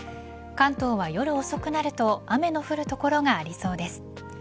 関東は夜遅くなると雨の降る所がありそうです。